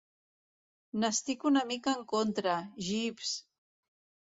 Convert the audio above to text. N'estic una mica en contra, Jeeves.